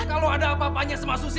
kalau ada apa apanya sama susi